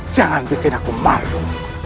jangan bikin aku malu